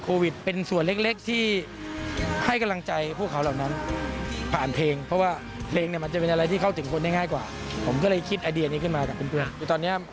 ก็ดนตรีไม่ได้เล่นก็บริหารแหล่นอย่างเดียวคักตอนนี้